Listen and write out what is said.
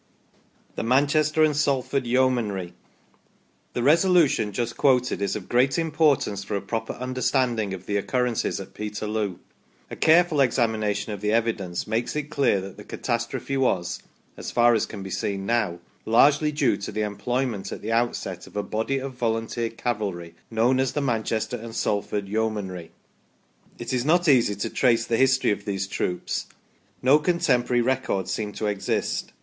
THE MANCHESTER AND SALFORD YEOMANRY. The Resolution just quoted is of great importance for a proper understanding of the occurrences at Peterloo. A careful examination of the evidence makes it clear that the catastrophe was (as far as can be seen now) largely due to the employment at the outset of a body of volunteer cavalry known as the " Manchester and Salford Yeo manry ". It is not easy to trace the history of these troops ; no con temporary records seem to exist.